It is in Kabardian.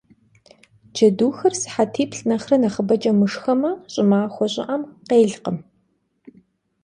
Ceduxer sıhetiplh' nexhre nexhıbeç'e mışşxeme ş'ımaxue ş'ı'em khêlkhım.